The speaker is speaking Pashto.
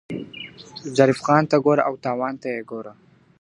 ظریف خان ته ګوره او تاوان ته یې ګوره .